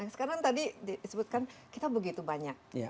sekarang tadi disebutkan kita begitu banyak